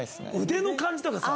腕の感じとかさ。